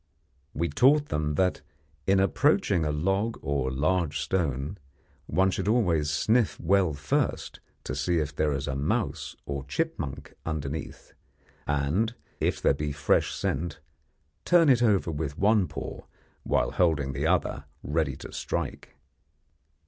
We taught them that, in approaching a log or large stone, one should always sniff well first to see if there is a mouse or chipmunk underneath, and, if there be fresh scent, turn it over with one paw while holding the other ready to strike.